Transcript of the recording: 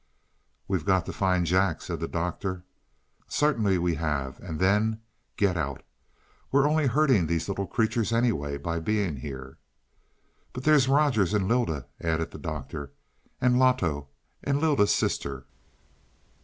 "We've got to find Jack," said the Doctor. "Certainly we have and then get out. We're only hurting these little creatures, anyway, by being here." "But there's Rogers and Lylda," added the Doctor. "And Loto and Lylda's sister."